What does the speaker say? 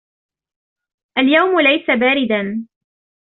اليوم ليس بارداً.